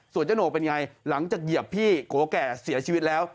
ส่วนเจ้าโหนกเป็นไงหลังจากเหยียบพี่โกแก่เสียชีวิตแล้ว